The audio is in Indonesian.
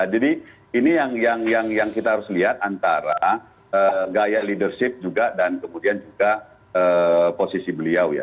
jadi ini yang kita harus lihat antara gaya leadership juga dan kemudian juga posisi beliau ya